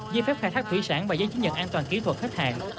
dây phép khai thác thủy sản và giấy chứng nhận an toàn kỹ thuật khách hàng